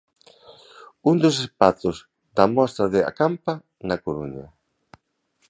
Un dos espazos da mostra de Acampa na Coruña.